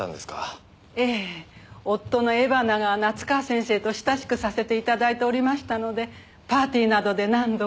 ええ夫の江花が夏河先生と親しくさせて頂いておりましたのでパーティーなどで何度か。